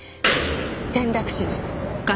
転落死です。